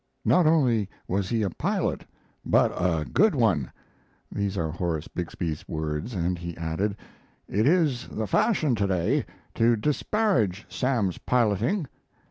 "Not only was he a pilot, but a good one." These are Horace Bixby's words, and he added: "It is the fashion to day to disparage Sam's piloting.